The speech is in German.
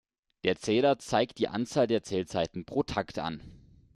Der Zähler zeigt die Anzahl der Zählzeiten pro Takt an.